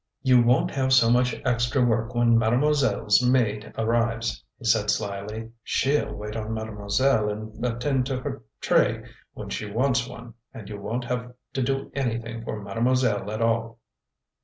"You won't have so much extra work when mademoiselle's maid arrives," he said slyly. "She'll wait on mademoiselle and attend to her tray when she wants one, and you won't have to do anything for mademoiselle at all."